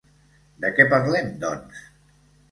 De què parlem, doncs?